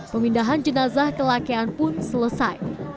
pemindahan jenazah kelakean pun selesai